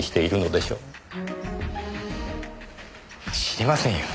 知りませんよ。